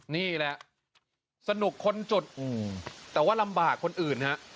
นี่แหละสนุกคนจุดแต่ว่าลำบากคนอื่นฮะ